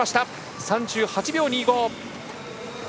３８秒２５！